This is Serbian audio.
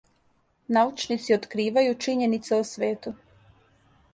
Научници откривају чињенице о свету.